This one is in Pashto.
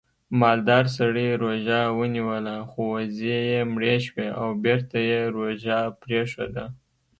مالدار سړي روژه ونیوله خو وزې یې مړې شوې او بېرته یې روژه پرېښوده